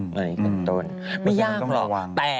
อันนี้คือต้นไม่ยากหรอก